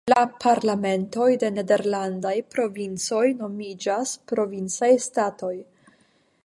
La parlamentoj de nederlandaj provincoj nomiĝas "Provincaj Statoj".